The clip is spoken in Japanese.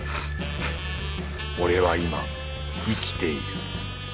俺は今生きている。